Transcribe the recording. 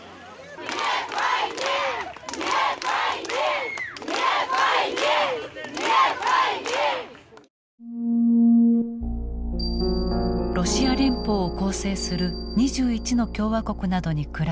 ロシア連邦を構成する２１の共和国などに暮らす少数民族。